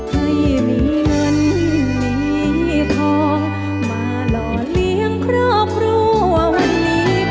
ให้มีเงินมีทองมาหล่อเลี้ยงครอบครัววันนี้